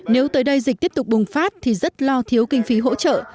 nếu tới đây dịch tiếp tục bùng phát thì rất lo thiếu kinh phí hỗ trợ